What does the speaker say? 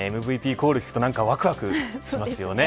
ＭＶＰコールを聞くとなんかわくわくしますよね。